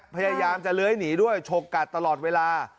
พยายามจะเลื้อยหนีด้วยฉกกัดตลอดเวลา